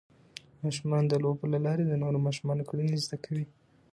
ماشومان د لوبو له لارې د نورو ماشومانو کړنې زده کوي.